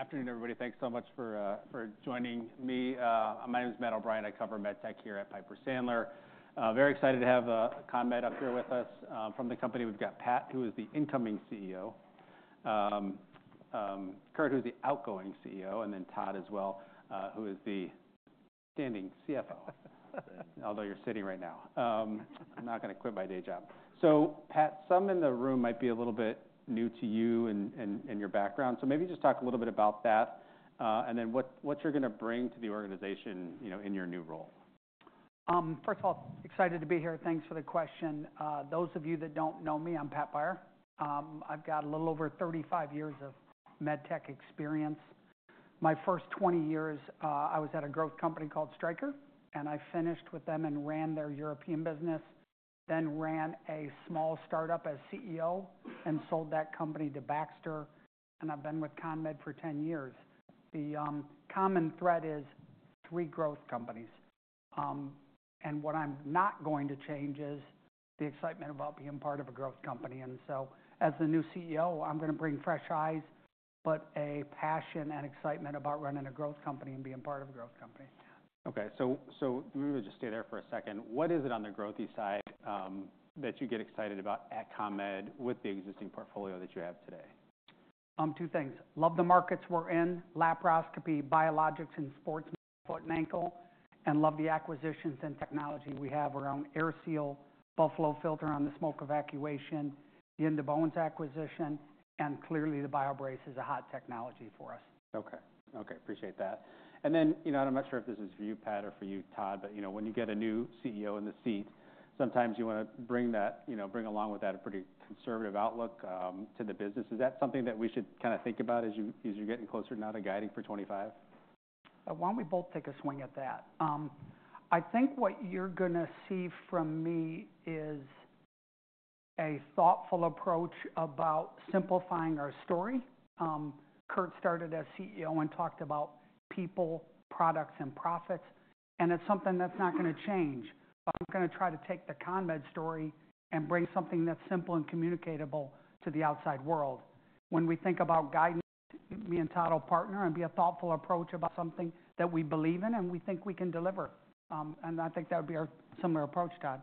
All right. Afternoon, everybody. Thanks so much for joining me. My name is Matt O'Brien. I cover med tech here at Piper Sandler. Very excited to have a CONMED up here with us. From the company, we've got Pat, who is the incoming CEO, Curt, who's the outgoing CEO, and then Todd as well, who is the standing CFO, although you're sitting right now. I'm not gonna quit my day job, so Pat, some in the room might be a little bit new to you and your background, so maybe just talk a little bit about that, and then what you're gonna bring to the organization, you know, in your new role. First of all, excited to be here. Thanks for the question. Those of you that don't know me, I'm Pat Beyer. I've got a little over 35 years of med tech experience. My first 20 years, I was at a growth company called Stryker, and I finished with them and ran their European business, then ran a small startup as CEO and sold that company to Baxter, and I've been with CONMED for 10 years. The common thread is three growth companies, and what I'm not going to change is the excitement about being part of a growth company, and so, as the new CEO, I'm gonna bring fresh eyes, but a passion and excitement about running a growth company and being part of a growth company. Okay. So, maybe we'll just stay there for a second. What is it on the growthy side, that you get excited about at CONMED with the existing portfolio that you have today? Two things. Love the markets we're in: laparoscopy, biologics, and sports foot and ankle, and love the acquisitions and technology we have around AirSeal, Buffalo Filter on the smoke evacuation, the In2Bones acquisition, and clearly the BioBrace is a hot technology for us. Okay. Okay. Appreciate that. And then, you know, and I'm not sure if this is for you, Pat, or for you, Todd, but, you know, when you get a new CEO in the seat, sometimes you wanna bring that, you know, bring along with that a pretty conservative outlook to the business. Is that something that we should kinda think about as you're getting closer to not a guiding for 25? Why don't we both take a swing at that? I think what you're gonna see from me is a thoughtful approach about simplifying our story. Kurt started as CEO and talked about people, products, and profits, and it's something that's not gonna change. I'm gonna try to take the CONMED story and bring something that's simple and communicable to the outside world. When we think about guidance, me and Todd will partner and be a thoughtful approach about something that we believe in and we think we can deliver. And I think that would be our similar approach, Todd.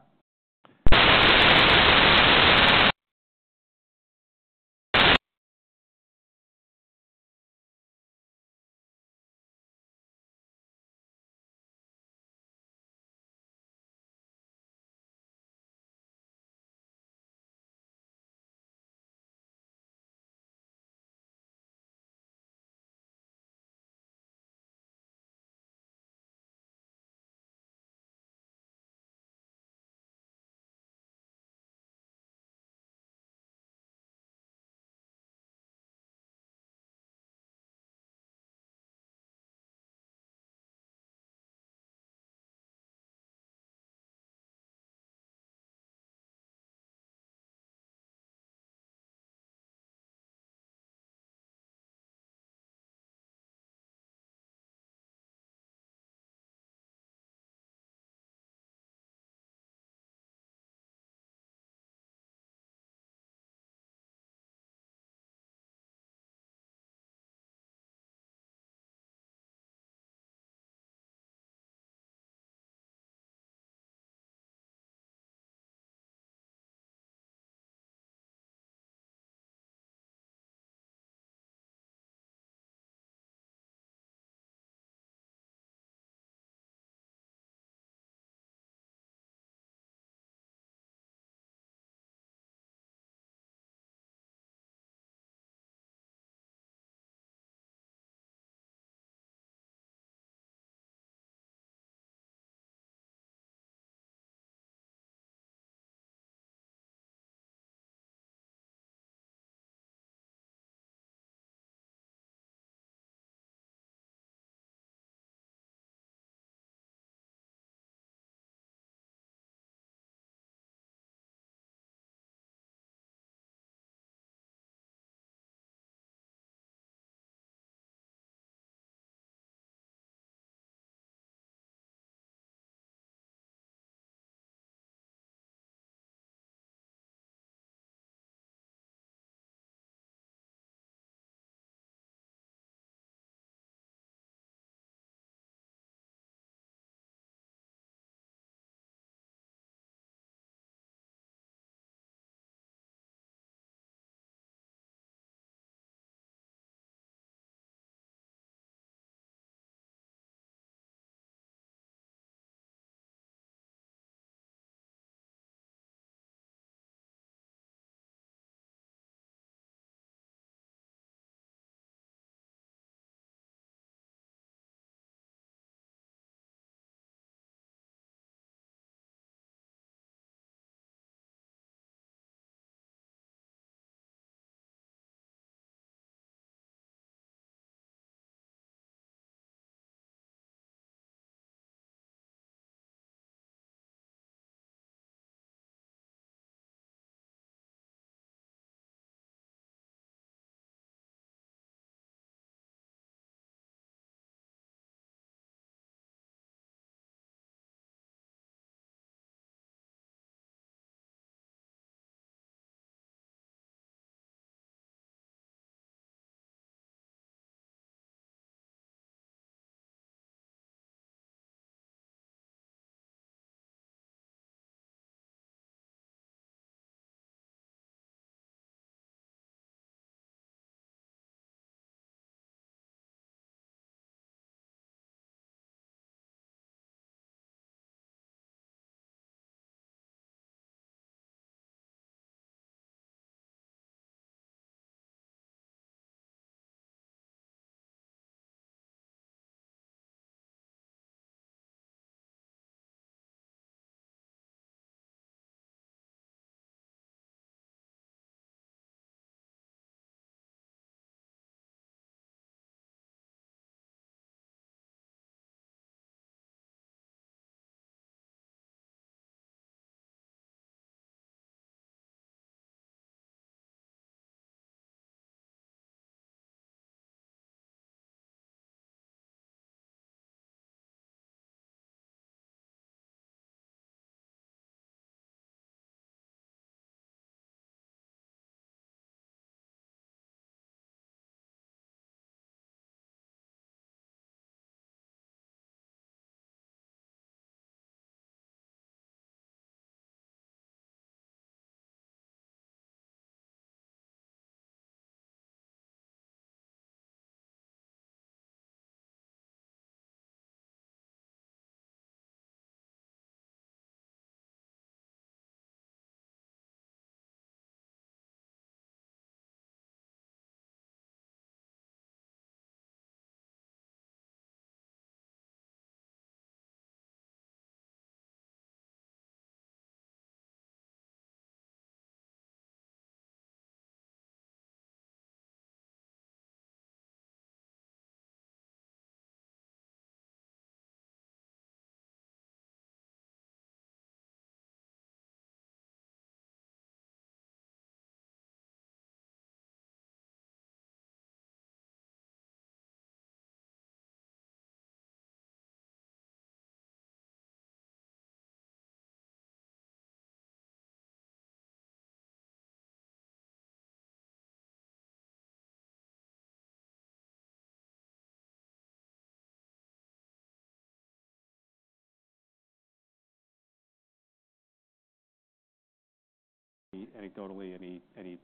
Any anecdotally? Any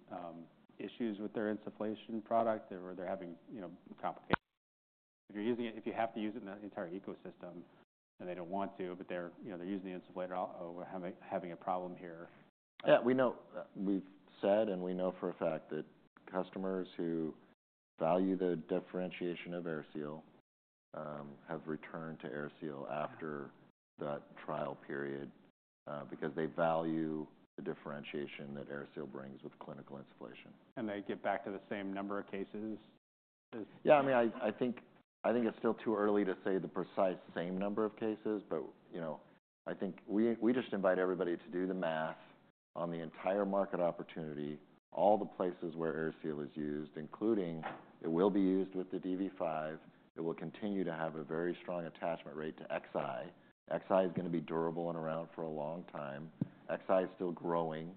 issues with their insufflation product? Or they're having, you know, complications? If you're using it, if you have to use it in the entire ecosystem, and they don't want to, but they're, you know, using the insufflator, oh, we're having a problem here. Yeah.We know, we've said, and we know for a fact that customers who value the differentiation of AirSeal have returned to AirSeal after that trial period, because they value the differentiation that AirSeal brings with clinical insufflation. And they get back to the same number of cases as. Yeah. I mean, I think it's still too early to say the precise same number of cases, but, you know, I think we just invite everybody to do the math on the entire market opportunity, all the places where AirSeal is used, including it will be used with the DV5. It will continue to have a very strong attachment rate to XI. XI is gonna be durable and around for a long time. XI is still growing.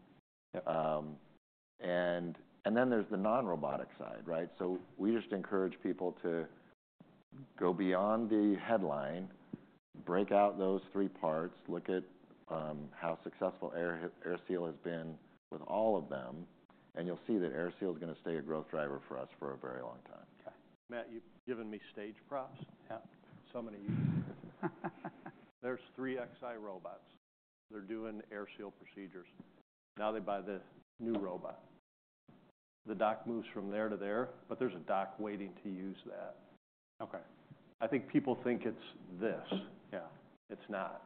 And then there's the non-robotic side, right? So we just encourage people to go beyond the headline, break out those three parts, look at how successful AirSeal has been with all of them, and you'll see that AirSeal is gonna stay a growth driver for us for a very long time. Okay. Matt, you've given me stage props. Yeah. So many. There's three XI robots. They're doing AirSeal procedures. Now they buy the new robot. The dock moves from there to there, but there's a dock waiting to use that. Okay. I think people think it's this. Yeah. It's not.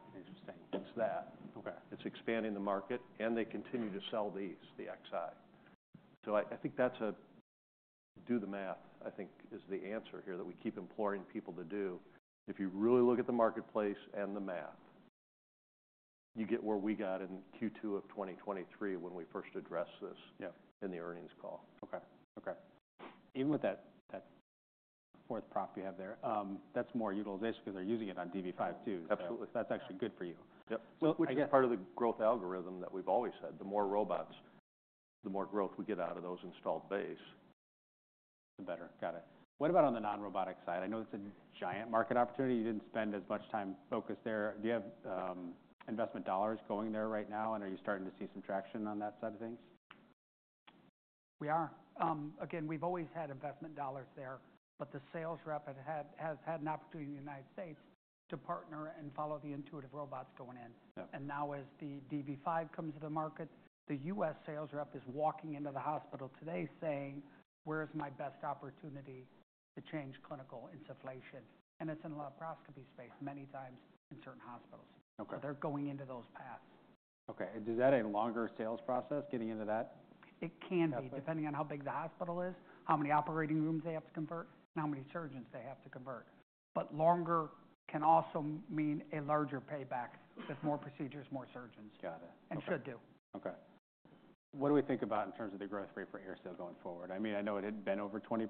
It's that. Okay. It's expanding the market, and they continue to sell these, the XI. So I think that's do the math, I think, is the answer here that we keep imploring people to do. If you really look at the marketplace and the math, you get where we got in Q2 of 2023 when we first addressed this. Yeah. In the earnings call. Okay. Okay. Even with that, that fourth prop you have there, that's more utilization 'cause they're using it on DV5 too. Absolutely. That's actually good for you. Yep. So I guess. Which is part of the growth algorithm that we've always said. The more robots, the more growth we get out of those installed base. The better. Got it. What about on the non-robotic side? I know it's a giant market opportunity. You didn't spend as much time focused there. Do you have investment dollars going there right now, and are you starting to see some traction on that side of things? Again, we've always had investment dollars there, but the sales rep has had an opportunity in the United States to partner and follow the Intuitive robots going in. Yeah. And now as the DV5 comes to the market, the U.S. sales rep is walking into the hospital today saying, "Where's my best opportunity to change clinical insufflation?" And it's in laparoscopy space many times in certain hospitals. Okay. They're going into those paths. Okay. And does that a longer sales process, getting into that? It can be. How long? Depending on how big the hospital is, how many operating rooms they have to convert, and how many surgeons they have to convert, but longer can also mean a larger payback with more procedures, more surgeons. Got it. Okay. And should do. Okay. What do we think about in terms of the growth rate for AirSeal going forward? I mean, I know it had been over 20%.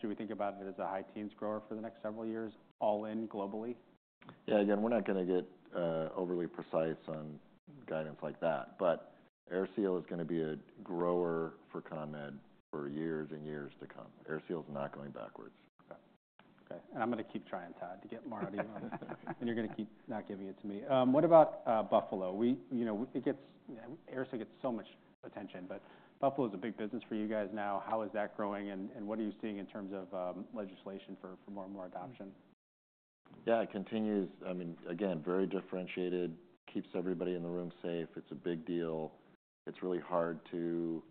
Do we think about it as a high teens grower for the next several years, all in globally? Yeah. Again, we're not gonna get overly precise on guidance like that, but AirSeal is gonna be a grower for CONMED for years and years to come. AirSeal's not going backwards. Okay. Okay, and I'm gonna keep trying, Todd, to get more out of you, and you're gonna keep not giving it to me. What about Buffalo? We, you know, it gets AirSeal gets so much attention, but Buffalo's a big business for you guys now. How is that growing, and what are you seeing in terms of legislation for more and more adoption? Yeah. It continues. I mean, again, very differentiated, keeps everybody in the room safe. It's a big deal. It's really hard to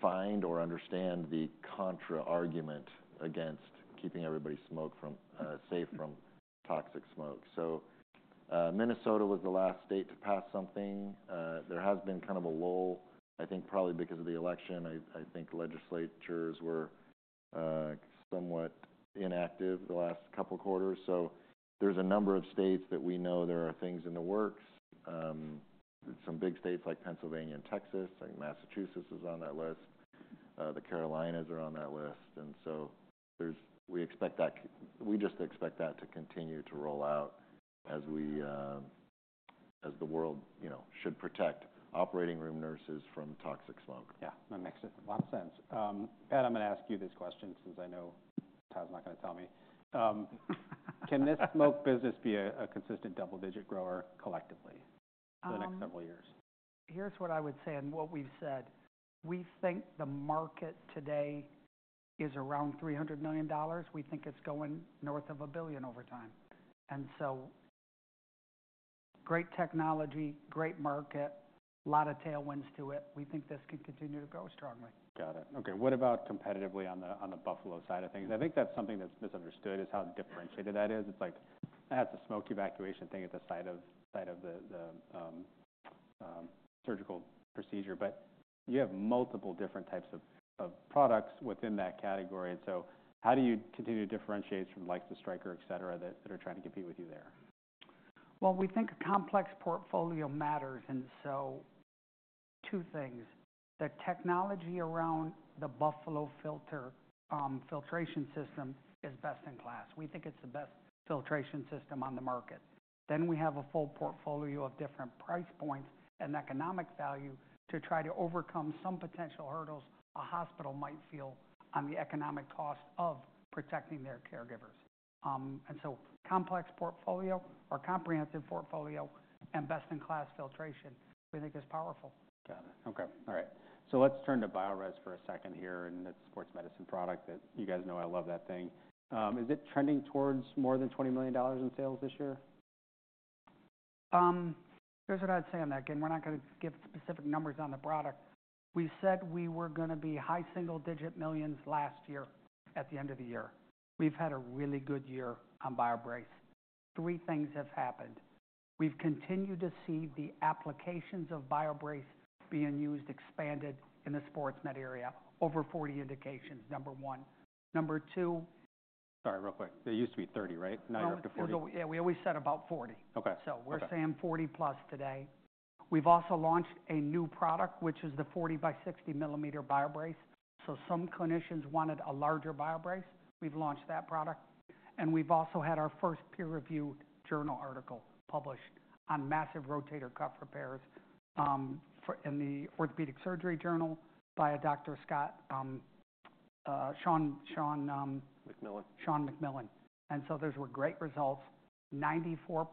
find or understand the counter argument against keeping everybody safe from smoke, from toxic smoke. So, Minnesota was the last state to pass something. There has been kind of a lull, I think, probably because of the election. I think legislatures were somewhat inactive the last couple quarters. So there's a number of states that we know there are things in the works. Some big states like Pennsylvania and Texas, and Massachusetts is on that list. The Carolinas are on that list. And so we expect that we just expect that to continue to roll out as we, as the world, you know, should protect operating room nurses from toxic smoke. Yeah. That makes a lot of sense. Pat, I'm gonna ask you this question since I know Todd's not gonna tell me. Can this smoke business be a consistent double-digit grower collectively for the next several years? Here's what I would say, and what we've said. We think the market today is around $300 million. We think it's going north of a billion over time, and so great technology, great market, a lot of tailwinds to it. We think this can continue to grow strongly. Got it. Okay. What about competitively on the Buffalo side of things? I think that's something that's misunderstood is how differentiated that is. It's like that's a smoke evacuation thing at the site of the surgical procedure, but you have multiple different types of products within that category. And so how do you continue to differentiate from like Stryker, etc., that are trying to compete with you there? We think a complex portfolio matters, and so two things. The technology around the Buffalo Filter filtration system is best-in-class. We think it's the best filtration system on the market, then we have a full portfolio of different price points and economic value to try to overcome some potential hurdles a hospital might feel on the economic cost of protecting their caregivers, and so complex portfolio or comprehensive portfolio and best-in-class filtration, we think is powerful. Got it. Okay. All right. So let's turn to BioBrace for a second here, and it's a sports medicine product that you guys know I love, that thing. Is it trending towards more than $20 million in sales this year? Here's what I'd say on that. Again, we're not gonna give specific numbers on the product. We said we were gonna be high single-digit millions last year at the end of the year. We've had a really good year on BioBrace. Three things have happened. We've continued to see the applications of BioBrace being used, expanded in the sports med area, over 40 indications, number one. Number two. Sorry, real quick. It used to be 30, right? Not up to 40. No, we always said about 40. Okay. We're saying 40+ today. We've also launched a new product, which is the 40ml by 60 ml BioBrace. Some clinicians wanted a larger BioBrace. We've launched that product. We've also had our first peer-reviewed journal article published on massive rotator cuff repairs in the orthopedic surgery journal by Dr. Sean McMillan. McMillan. And so those were great results, 94%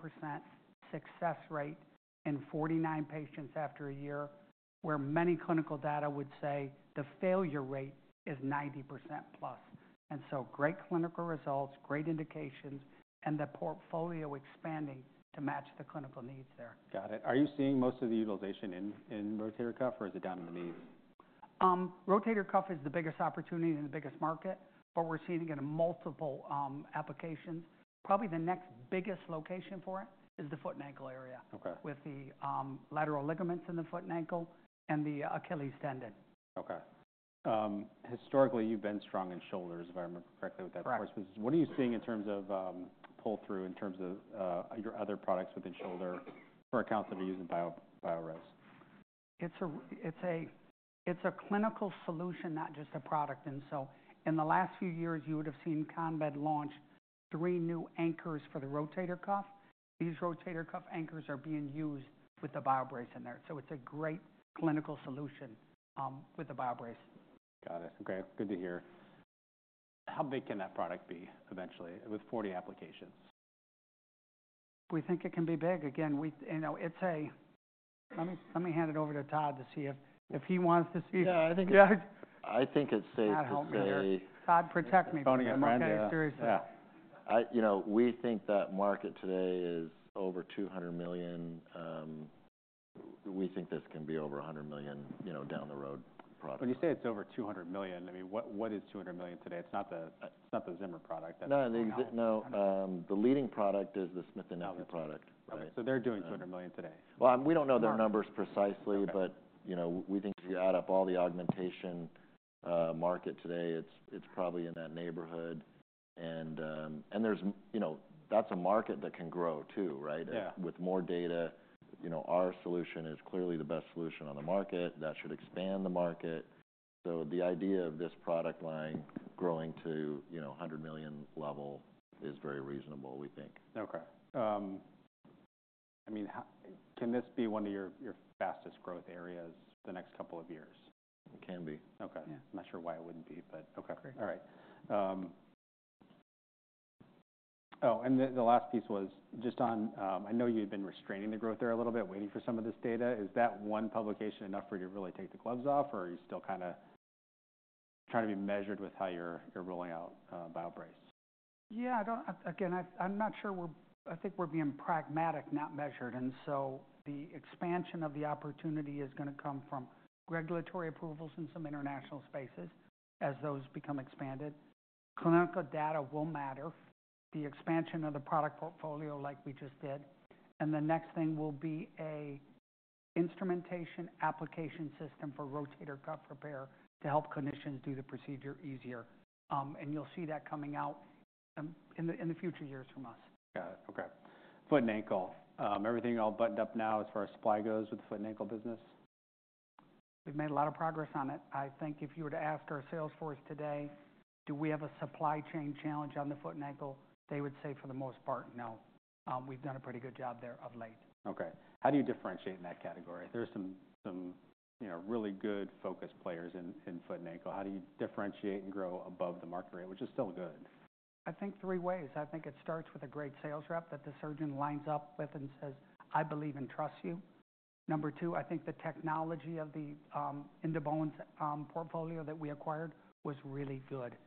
success rate in 49 patients after a year, where many clinical data would say the failure rate is 90%+. And so great clinical results, great indications, and the portfolio expanding to match the clinical needs there. Got it. Are you seeing most of the utilization in rotator cuff, or is it down in the knees? Rotator cuff is the biggest opportunity and the biggest market, but we're seeing it in multiple applications. Probably the next biggest location for it is the foot and ankle area. Okay. With the lateral ligaments in the foot and ankle and the Achilles tendon. Okay. Historically, you've been strong in shoulders, if I remember correctly with that. Correct. What are you seeing in terms of pull-through in terms of your other products within shoulder for accounts that are using BioBrace? It's a clinical solution, not just a product. And so in the last few years, you would have seen CONMED launch three new anchors for the rotator cuff. These rotator cuff anchors are being used with the BioBrace in there. So it's a great clinical solution, with the BioBrace. Got it. Okay. Good to hear. How big can that product be eventually with 40 applications? We think it can be big. Again, we, you know, it's a let me hand it over to Todd to see if he wants to see. Yeah. I think. I think it's safe to say. Todd, protect me. Tony Armando. I'm running out of time. Yeah. I, you know, we think that market today is over $200 million. We think this can be over $100 million, you know, down the road product. When you say it's over $200 million, I mean, what, what is $200 million today? It's not the Zimmer product that. No, the leading product is the Smith & Nephew product. Okay. So they're doing $200 million today. We don't know their numbers precisely, but, you know, we think if you add up all the augmentation market today, it's probably in that neighborhood. There's, you know, that's a market that can grow too, right? Yeah. With more data, you know, our solution is clearly the best solution on the market. That should expand the market. So the idea of this product line growing to, you know, $100 million level is very reasonable, we think. Okay. I mean, can this be one of your, your fastest growth areas the next couple of years? It can be. Okay. Yeah. I'm not sure why it wouldn't be, but. Okay. All right. Oh, and the, the last piece was just on, I know you've been restraining the growth there a little bit, waiting for some of this data. Is that one publication enough for you to really take the gloves off, or are you still kinda trying to be measured with how you're, you're rolling out, BioBrace? Yeah. I'm not sure. I think we're being pragmatic, not measured. So the expansion of the opportunity is gonna come from regulatory approvals in some international spaces as those become expanded. Clinical data will matter, the expansion of the product portfolio like we just did. And the next thing will be an instrumentation application system for rotator cuff repair to help clinicians do the procedure easier. And you'll see that coming out in the future years from us. Got it. Okay. Foot and ankle, everything all buttoned up now as far as supply goes with the foot and ankle business? We've made a lot of progress on it. I think if you were to ask our sales force today, "Do we have a supply chain challenge on the foot and ankle?" they would say for the most part, "No." We've done a pretty good job there of late. Okay. How do you differentiate in that category? There's some, you know, really good focus players in foot and ankle. How do you differentiate and grow above the market rate, which is still good? I think three ways. I think it starts with a great sales rep that the surgeon lines up with and says, "I believe and trust you." Number two, I think the technology of the In2Bones portfolio that we acquired was really good,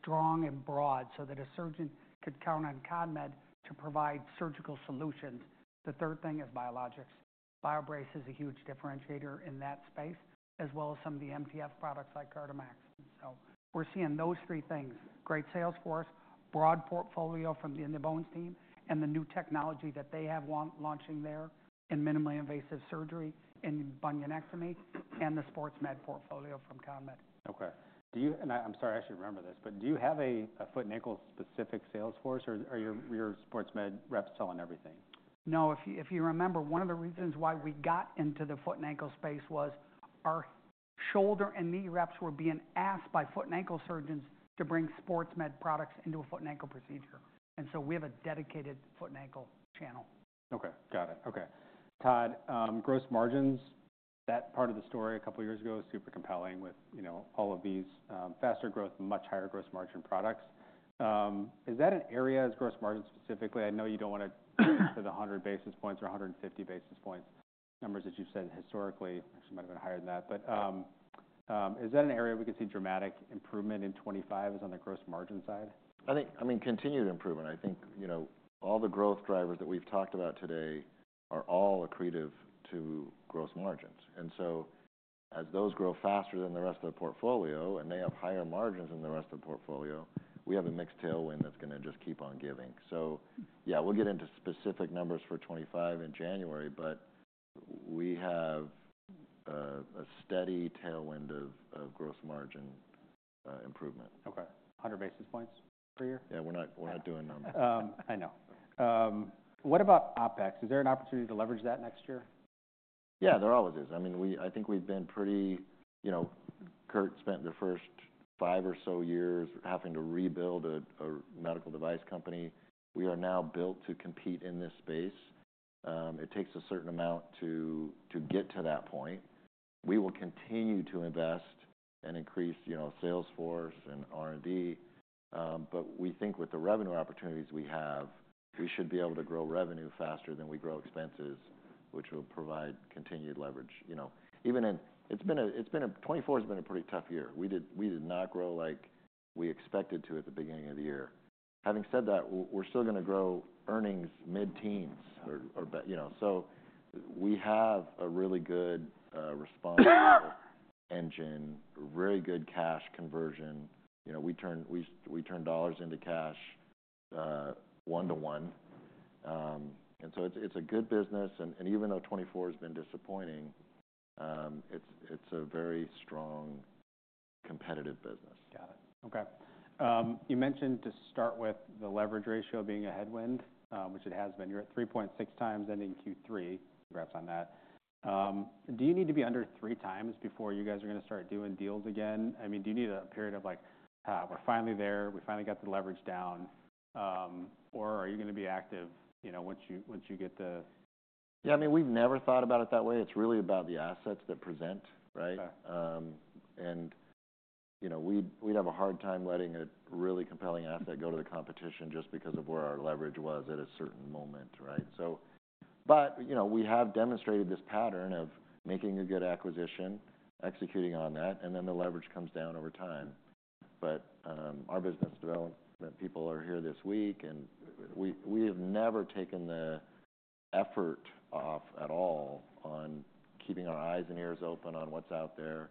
strong and broad so that a surgeon could count on CONMED to provide surgical solutions. The third thing is biologics. BioBrace is a huge differentiator in that space, as well as some of the MTF products like CartaMax. So we're seeing those three things: great sales force, broad portfolio from the IndoBone's team, and the new technology that they have launching there in minimally invasive surgery in bunionectomy and the sports med portfolio from CONMED. Okay. Do you, and I'm sorry I should remember this, but do you have a foot and ankle specific sales force, or are your sports med reps selling everything? No. If you remember, one of the reasons why we got into the foot and ankle space was our shoulder and knee reps were being asked by foot and ankle surgeons to bring sports med products into a foot and ankle procedure, and so we have a dedicated foot and ankle channel. Okay. Got it. Okay. Todd, gross margins, that part of the story a couple years ago was super compelling with, you know, all of these, faster growth, much higher gross margin products. Is that an area as gross margin specifically? I know you don't wanna get to the 100 basis points or 150 basis points, numbers that you've said historically, actually might have been higher than that. But, is that an area we could see dramatic improvement in 2025 on the gross margin side? I think, I mean, continued improvement. I think, you know, all the growth drivers that we've talked about today are all accretive to gross margins. And so as those grow faster than the rest of the portfolio and they have higher margins than the rest of the portfolio, we have a mixed tailwind that's gonna just keep on giving. So yeah, we'll get into specific numbers for 2025 in January, but we have a steady tailwind of gross margin improvement. Okay. 100 basis points per year? Yeah. We're not doing numbers. I know. What about OpEx? Is there an opportunity to leverage that next year? Yeah. There always is. I mean, we, I think we've been pretty, you know, Curt spent the first five or so years having to rebuild a medical device company. We are now built to compete in this space. It takes a certain amount to get to that point. We will continue to invest and increase, you know, sales force and R&D. But we think with the revenue opportunities we have, we should be able to grow revenue faster than we grow expenses, which will provide continued leverage. You know, even in, it's been a 2024 has been a pretty tough year. We did not grow like we expected to at the beginning of the year. Having said that, we're still gonna grow earnings mid-teens or, you know. So we have a really good response engine, very good cash conversion. You know, we turn dollars into cash, one-to-one. And so it's a good business. Even though 2024 has been disappointing, it's a very strong competitive business. Got it. Okay. You mentioned to start with the leverage ratio being a headwind, which it has been. You're at 3.6 times ending Q3. Congrats on that. Do you need to be under three times before you guys are gonna start doing deals again? I mean, do you need a period of like, "We're finally there. We finally got the leverage down," or are you gonna be active, you know, once you once you get the? Yeah. I mean, we've never thought about it that way. It's really about the assets that present, right? Okay. You know, we'd have a hard time letting a really compelling asset go to the competition just because of where our leverage was at a certain moment, right? You know, we have demonstrated this pattern of making a good acquisition, executing on that, and then the leverage comes down over time. Our business development people are here this week, and we have never taken the effort off at all on keeping our eyes and ears open on what's out there.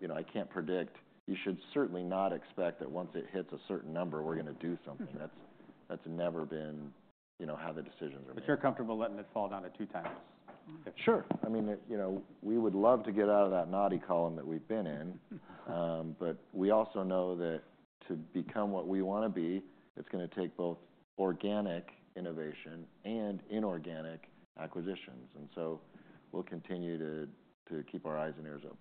You know, I can't predict. You should certainly not expect that once it hits a certain number, we're gonna do something. That's never been, you know, how the decisions are made. But you're comfortable letting it fall down to two times? Sure. I mean, you know, we would love to get out of that naughty column that we've been in, but we also know that to become what we wanna be, it's gonna take both organic innovation and inorganic acquisitions. And so we'll continue to keep our eyes and ears open.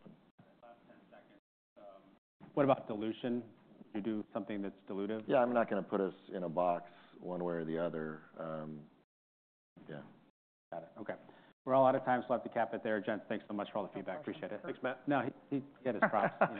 Last 10 seconds. What about dilution? You do something that's dilutive? Yeah. I'm not gonna put us in a box one way or the other. Yeah. Got it. Okay. We're all out of time. So I have to cap it there. Jens, thanks so much for all the feedback. Appreciate it. Thanks, Matt. No, he had his props.